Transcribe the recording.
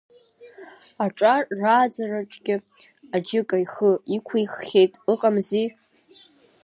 Аҿар рааӡараҿгьы аџьыка ихы иқәиххьеит, ыҟамзи…